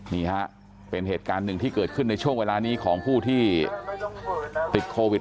นี่ฮะเป็นเหตุการณ์หนึ่งที่เกิดขึ้นในช่วงเวลานี้ของผู้ที่ติดโควิด